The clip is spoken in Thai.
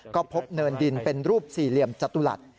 ก็พบเนินดินเป็นรูปสี่เหลี่ยมจตุรัส